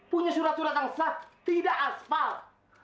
punya surat surat yang sah tidak aspal